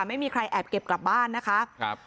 ไม่มีใครแอบเก็บกลับบ้านนะคะ